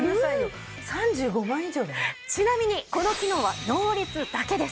ちなみにこの機能はノーリツだけです。